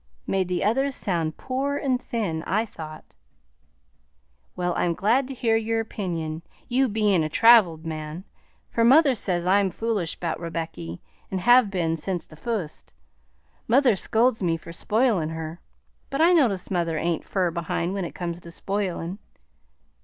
"Made the others sound poor and thin, I thought." "Well, I'm glad to hear your opinion, you bein' a traveled man, for mother says I'm foolish 'bout Rebecky and hev been sence the fust. Mother scolds me for spoilin' her, but I notice mother ain't fur behind when it comes to spoilin'.